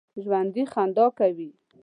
ژوندي خندا کوي